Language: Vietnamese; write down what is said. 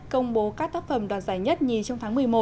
công bố các tác phẩm đoạt giải nhất nhì trong tháng một mươi một